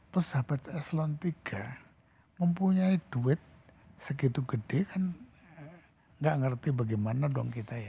pejabat eselon tiga mempunyai duit segitu gede kan nggak ngerti bagaimana dong kita ya